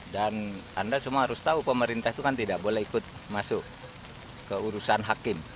dan anda semua harus tahu pemerintah itu kan tidak boleh ikut masuk keurusan hakim